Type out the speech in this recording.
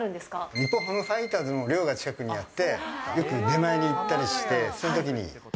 日本ハムファイターズの寮が近くにあって、よく出前に行ったりして、そのときに。